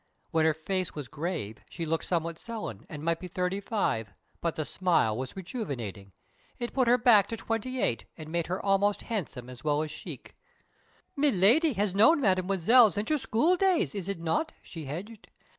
When her face was grave, she looked somewhat sullen, and might be thirty five; but the smile was rejuvenating. It put her back to twenty eight, and made her almost handsome as well as chic. "Miladi has known Mademoiselle since her schooldays, is it not?" she hedged.